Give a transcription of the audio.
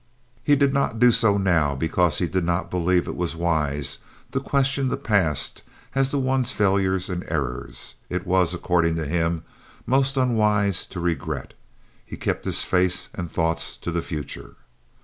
He did not do so now because he did not believe it was wise to question the past as to one's failures and errors. It was, according to him, most unwise to regret. He kept his face and thoughts to the future.